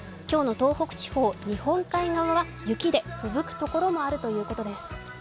今日の東北地方、日本海側は雪でふぶくところもあるということです。